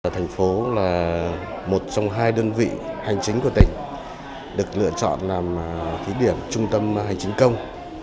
thành phố là một trong hai đơn vị hành trình của tỉnh được lựa chọn làm khí điểm trung tâm hành trình công